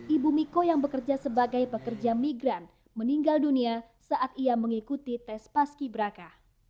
ibu miko yang bekerja sebagai pekerja migran meninggal dunia saat ia mengikuti tes paski braka